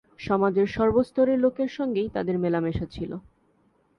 সমাজের সর্বস্তরের লোকের সঙ্গেই তাঁদের মেলামেশা ছিল।